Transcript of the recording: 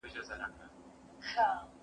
مشاوران به سلا ورکوي.